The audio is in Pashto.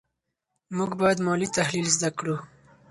موږ باید مالي تحلیل زده کړو.